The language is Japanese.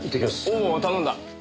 おお頼んだ。